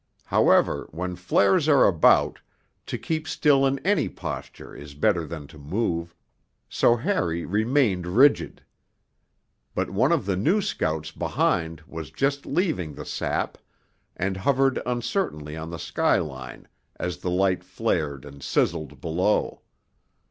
However, when flares are about, to keep still in any posture is better than to move, so Harry remained rigid. But one of the new scouts behind was just leaving the sap, and hovered uncertainly on the skyline as the light flared and sizzled below.